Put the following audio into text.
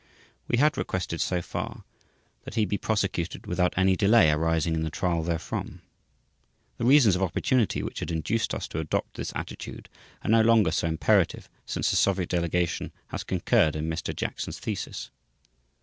We had requested, so far, that he be prosecuted without any delay arising in the Trial therefrom. The reasons of opportunity which had induced us to adopt this attitude are no longer so imperative since the Soviet Delegation has concurred in Mr. Jackson's thesis.